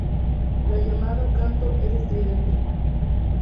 La llamada o canto es estridente.